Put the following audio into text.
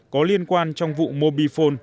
có liên quan trong vụ mobifone